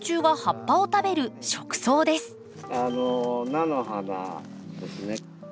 菜の花ですね。